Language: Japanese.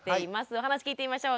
お話聞いてみましょう。